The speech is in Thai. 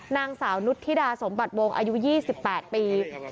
นางสาวนุธิดาสมบัติวงอายุ๒๘ปี